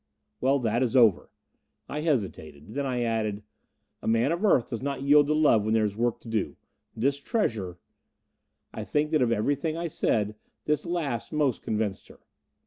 "Well, that is over." I hesitated. Then I added, "A man of Earth does not yield to love when there is work to do. This treasure " I think that of everything I said, this last most convinced her.